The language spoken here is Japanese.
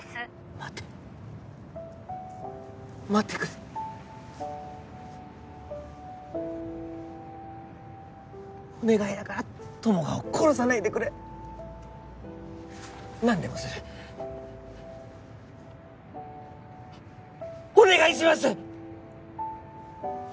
待て待ってくれお願いだから友果を殺さないでくれ何でもするお願いします！